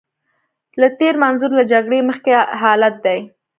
له تېر منظور له جګړې مخکې حالت دی.